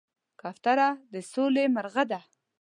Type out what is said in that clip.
کوتره د سولې مرغه ده.